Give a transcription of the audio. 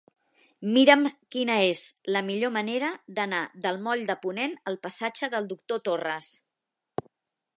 Mira'm quina és la millor manera d'anar del moll de Ponent al passatge del Doctor Torres.